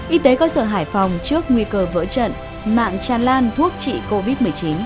y tế cơ sở hải phòng trước nguy cơ vỡ trận mạng tràn lan thuốc trị covid một mươi chín